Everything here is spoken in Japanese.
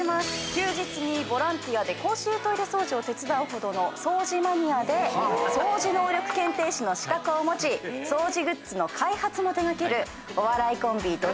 休日にボランティアで公衆トイレ掃除を手伝うほどの掃除マニアで掃除能力検定士の資格を持ち掃除グッズの開発も手掛けるお笑いコンビどきどき